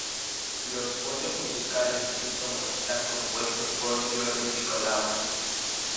Los fondos musicales y sintonías están compuestos por Jordi Nicolau.